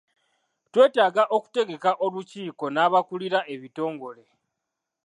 Twetaaga okutegeka olukiiko n'abakulira ebitongole.